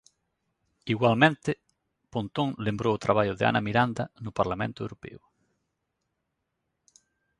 Igualmente, Pontón lembrou o traballo de Ana Miranda no Parlamento Europeo.